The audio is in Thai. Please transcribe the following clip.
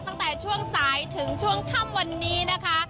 ตั้งแต่ช่วงสายถึงช่วงค่ำวันนี้นะคะ